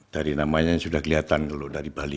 dari namanya sudah kelihatan loh dari bali